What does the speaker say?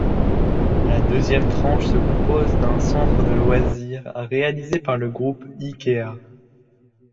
La deuxième tranche se compose d'un centre de loisirs, réalisé par le groupe Ikea.